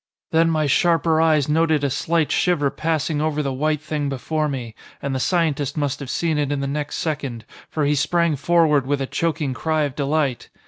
"Then my sharper eyes noted a slight shiver passing over the white thing before me, and the scientist must have seen it in the next second, for he sprang forward with a choking cry of delight.